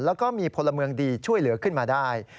แล้วก็มีพลเมืองดีช่วยเหลือขึ้นมาได้